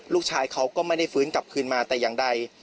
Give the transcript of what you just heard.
ลูกชายเขาก็ไม่ได้ฟื้นกลับคืนมาแต่อย่างใด